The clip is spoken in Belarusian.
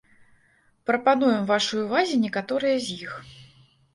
Прапануем вашай увазе некаторыя з іх.